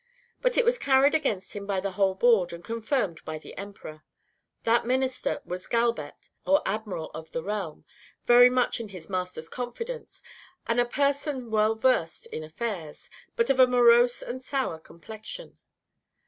But it was carried against him by the whole board, and confirmed by the emperor. That minister was galbet, or admiral of the realm, very much in his master's confidence, and a person well versed in affairs, but of a morose and sour complexion.